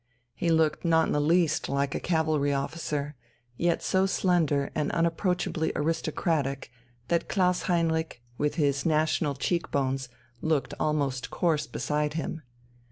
He looked not in the least like a cavalry officer, yet so slender and unapproachably aristocratic that Klaus Heinrich, with his national cheek bones, looked almost coarse beside him.